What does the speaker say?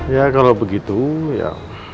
ya kalau begitu ya